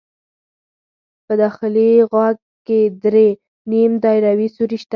په داخلي غوږ کې درې نیم دایروي سوري شته.